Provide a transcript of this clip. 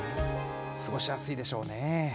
過ごしやすいでしょうね。